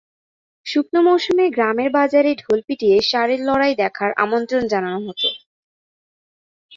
শুকনো মৌসুমে গ্রামের বাজারে ঢোল পিটিয়ে ষাঁড়ের লড়াই দেখার আমন্ত্রন জানানো হতো।